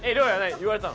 言われたの？